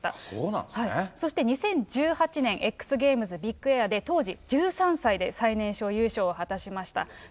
そして２０１８年、Ｘゲームズビッグエアで当時１３歳で最年少優勝を果たしました。